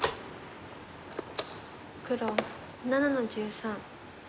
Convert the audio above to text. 黒７の十三。